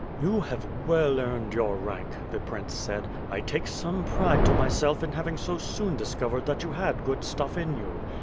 "You have well earned your rank," the prince said. "I take some pride to myself in having so soon discovered that you had good stuff in you.